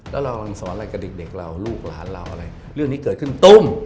แล้วเราสอนอะไรกับเด็กเราลูกหลานเราอะไรเรื่องนี้เกิดขึ้นตุ้ม